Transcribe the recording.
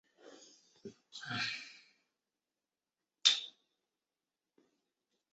厚皮多枝介为多枝介科多枝介属下的一个种。